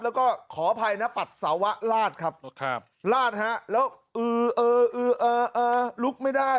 แล้วก็ขออภัยนะปัสสาวะลาดครับลาดฮะแล้วอือลุกไม่ได้